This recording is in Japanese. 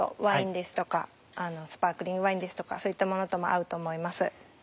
ワインですとかスパークリングワインですとかそういったものとも合うと思います。